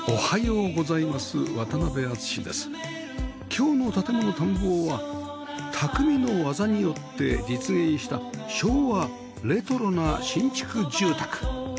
今日の『建もの探訪』は匠の技によって実現した昭和レトロな新築住宅